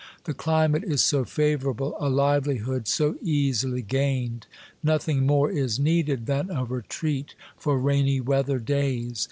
The cli mate is so favorable, a livelihood so easily gained ! Nothing more is needed than a retreat for rainy weather days.